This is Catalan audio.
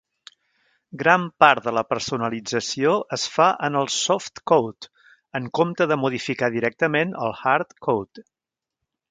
Gran part de la personalització es fa en el "softcode", en compte de modificar directament el "hardcode".